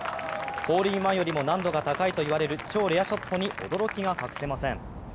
ホールインワンよりも難度が高いと言われる超レアショットに驚きが隠せません。